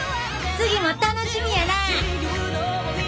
次も楽しみやな！